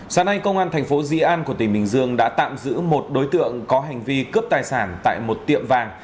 sáng nay công an thành phố di an của tỉnh bình dương đã tạm giữ một đối tượng có hành vi cướp tài sản tại một tiệm vàng